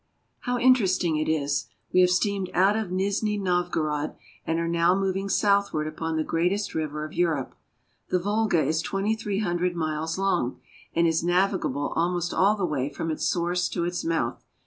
How interesting it is ! We have steamed out of Nizhni Novgorod, and are now moving southward upon the great est river of Europe. The Volga is twenty three hundred miles long, and is navigable almost all the way from its source to its mouth.